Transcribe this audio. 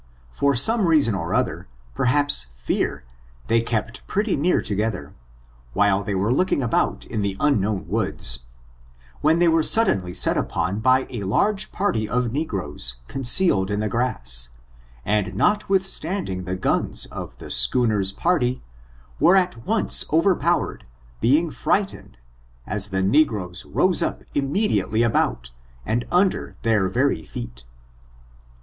For some reason or other, perhaps fear, they kept pretty near together, while they were looking about in the un known woods, when they were suddenly set upon by a large party of negroes, concealed in the grass, and notwithstanding the guns of the schooner's party, were at once overpowered, being frightened, as the negroes rose up immediately about, and under their very feet.